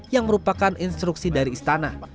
yang merupakan instruksi dari istana